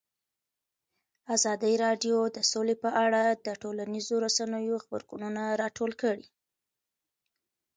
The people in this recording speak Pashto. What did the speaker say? ازادي راډیو د سوله په اړه د ټولنیزو رسنیو غبرګونونه راټول کړي.